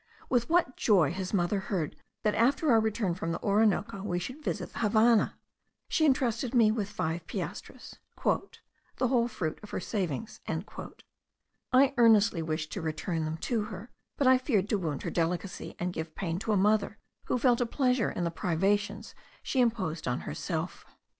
With what joy his mother heard that after our return from the Orinoco, we should visit the Havannah! She entrusted me with five piastres, "the whole fruit of her savings." I earnestly wished to return them to her; but I feared to wound her delicacy, and give pain to a mother, who felt a pleasure in the privations she imposed on herself.